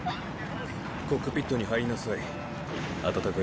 コックピットに入りなさい。